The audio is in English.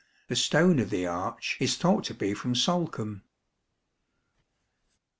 The stone of the arch is thought to be from Sal coin be.